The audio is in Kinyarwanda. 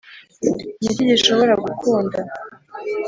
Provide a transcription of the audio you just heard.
niki gishobora gukunda